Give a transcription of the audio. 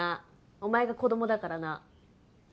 お前が子どもだからな。